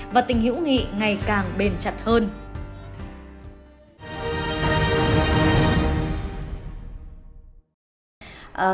và tình hữu nghị ngày càng bền chặt hơn